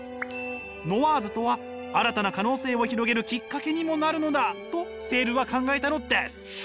ノワーズとは新たな可能性を広げるきっかけにもなるのだとセールは考えたのです！